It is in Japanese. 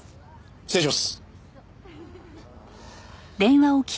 失礼します。